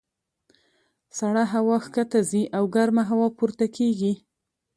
سړه هوا ښکته ځي او ګرمه هوا پورته کېږي.